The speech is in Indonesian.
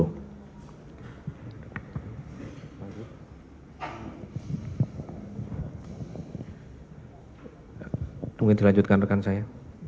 mungkin dilanjutkan rekan saya